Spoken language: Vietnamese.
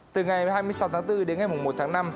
từ ngày hai mươi sáu tháng bốn đến ngày một tháng năm